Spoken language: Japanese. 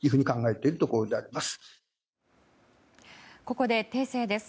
ここで訂正です。